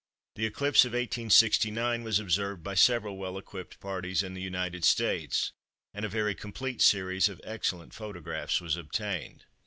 The eclipse of 1869 was observed by several well equipped parties in the United States, and a very complete series of excellent photographs was obtained.